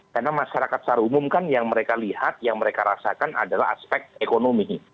karena masyarakat secara umum kan yang mereka lihat yang mereka rasakan adalah aspek ekonomi